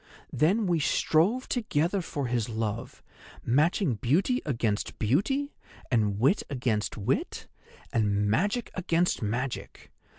Then we strove together for his love, matching beauty against beauty, and wit against wit, and magic against magic.